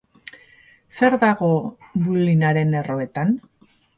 Zer dago bullying-aren erroetan?